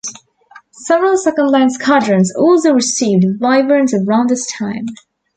Several second-line squadrons also received Wyverns around this time.